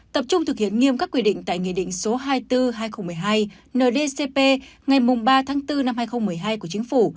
tập trung thực hiện nghiêm các quy định tại nghị định số hai mươi bốn hai nghìn một mươi hai ndcp ngày ba tháng bốn năm hai nghìn một mươi hai của chính phủ